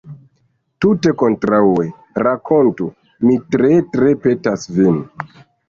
Tute kontraŭe; rakontu, mi tre, tre petas vin.